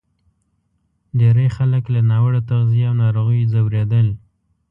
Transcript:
ډېری خلک له ناوړه تغذیې او ناروغیو ځورېدل.